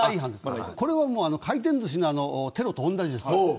これは回転ずしのテロと同じです。